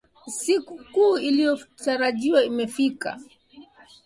Siku kuu iliyotarajiwa imefika.